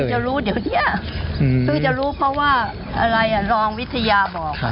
เนี่ยคุณจะรู้เดี๋ยวเนี่ยคุณจะรู้เพราะว่าอะไรลองวิทยาบอก